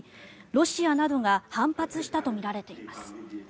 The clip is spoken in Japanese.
ロシアなどが反発したとみられています。